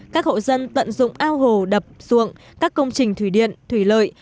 các hộ dân tận dụng ao hồ đập ruộng các công trình thủy điện thủy lợi